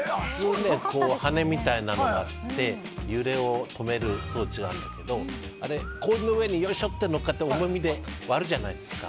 羽みたいなのがあって揺れを止める装置があるんだけど氷の上に乗っかって重さで割るじゃないですか。